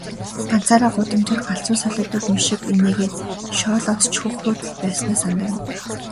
Ганцаараа гудамжаар галзуу солиотой хүн шиг инээгээд, шоолоод ч хөхрөөд л байснаа санадаг юм.